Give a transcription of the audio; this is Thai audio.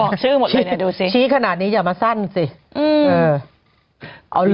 บอกชื่อหมดเลยน่ะดูสิชี้ขนาดนี้อย่ามาสั้นสิอืมเออเอาหรือ